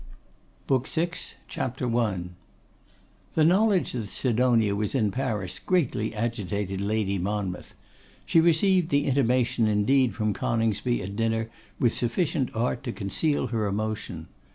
BOOK VI. CHAPTER I. The knowledge that Sidonia was in Paris greatly agitated Lady Monmouth. She received the intimation indeed from Coningsby at dinner with sufficient art to conceal her emotion.